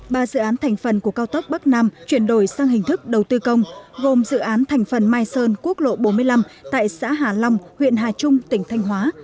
ba dự án thành phần của cao tốc bắc nam chuyển đổi sang hình thức đầu tư công gồm dự án thành phần mai sơn quốc lộ bốn mươi năm tại xã hà long huyện hà trung tỉnh thanh hóa